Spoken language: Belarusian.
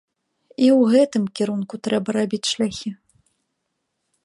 І ў гэтым кірунку трэба рабіць шляхі.